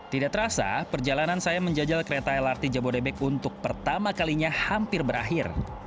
tidak terasa perjalanan saya menjajal kereta lrt jabodebek untuk pertama kalinya hampir berakhir